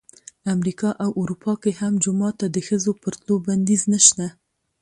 امریکا او اروپا کې هم جومات ته د ښځو پر تلو بندیز نه شته.